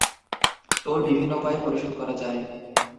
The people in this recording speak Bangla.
টোল বিভিন্ন উপায়ে পরিশোধ করা যায়।